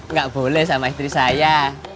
nggak boleh sama istri saya